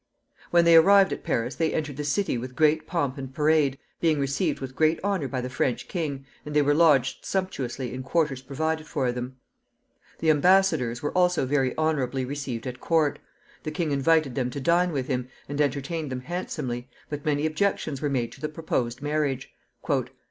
When they arrived at Paris they entered the city with great pomp and parade, being received with great honor by the French king, and they were lodged sumptuously in quarters provided for them. The embassadors were also very honorably received at court. The king invited them to dine with him, and entertained them handsomely, but many objections were made to the proposed marriage.